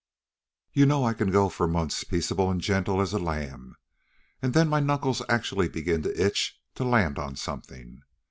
You know I can go for months peaceable an' gentle as a lamb, an' then my knuckles actually begin to itch to land on something.